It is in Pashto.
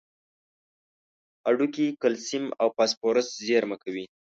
هډوکي کلسیم او فاسفورس زیرمه کوي.